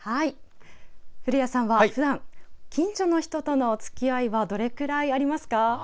古谷さんは、普段近所の人とのおつきあいはどれくらいありますか？